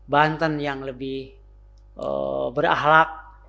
bandar yang lebih berahlak